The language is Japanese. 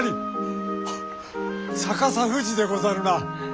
あっ逆さ富士でござるな？